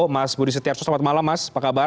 mas budi setiarso selamat malam mas apa kabar